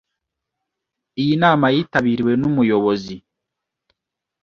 Iyi nama yitabiriwe n’umuyobozi